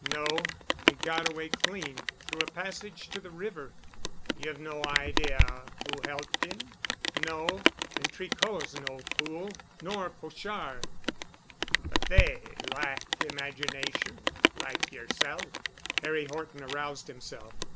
"No. He got away clean through a passage to the river——" "You've no idea who helped him?" "No. And Tricot's no fool—nor Pochard——" "But they lack imagination—like yerself——" Harry Horton aroused himself.